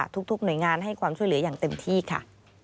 ทุกหน่วยงานให้ความช่วยเหลืออย่างเต็มที่ค่ะ